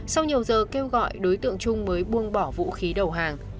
sau nhiều giờ kêu gọi đối tượng trung mới buông bỏ vũ khí đầu hàng